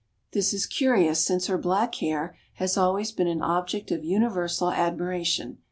This is curious since her black hair has always been an object of universal admiration.